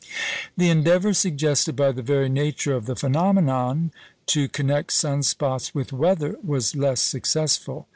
The endeavour, suggested by the very nature of the phenomenon, to connect sun spots with weather was less successful.